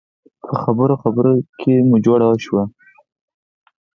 په خبرو خبرو کې مو جوړه شوه.